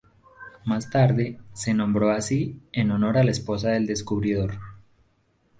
Más tarde, se nombró así en honor de la esposa del descubridor.